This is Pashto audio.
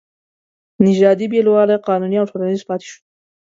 نژادي بېلوالی قانوني او ټولنیز پاتې شو.